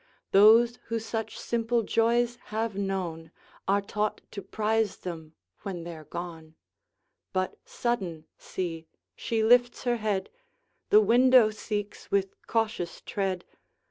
Those who such simple joys have known Are taught to prize them when they 're gone. But sudden, see, she lifts her head; The window seeks with cautious tread.